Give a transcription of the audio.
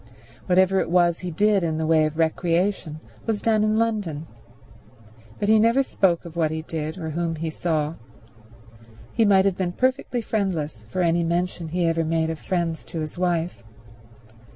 Whatever it was he did in the way of recreation was done in London, but he never spoke of what he did or whom he saw; he might have been perfectly friendless for any mention he ever made of friends to his wife.